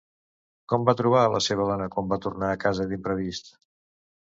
Com va trobar a la seva dona quan va tornar a casa d'imprevist?